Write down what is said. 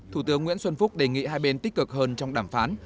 thủ tướng nguyễn xuân phúc đề nghị hai bên tích cực hơn trong đàm phán